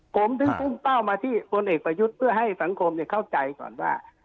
ผมถึงพุ่งเป้ามาที่พลเอกประยุทธ์เพื่อให้สังคมเข้าใจก่อนว่า